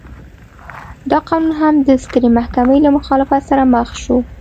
دا قانون هم د سترې محکمې له مخالفت سره مخ شو.